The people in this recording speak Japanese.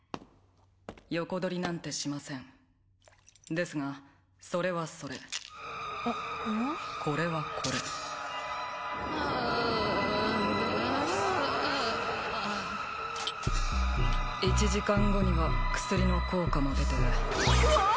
横取りなんてしませんですがそれはそれこれはこれあ１時間後には薬の効果も出てうわっ！